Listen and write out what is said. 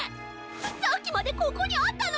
さっきまでここにあったのに！